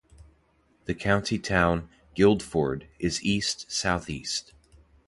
The county town, Guildford, is east south-east.